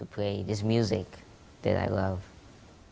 untuk memainkan musik ini yang saya suka